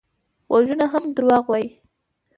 غږونه هم دروغ وايي